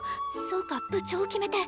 そうか部長を決めて。